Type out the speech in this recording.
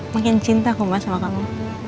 makin cinta kumah sama kamu